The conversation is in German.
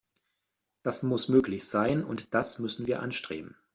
Das muss möglich sein, und das müssen wir anstreben.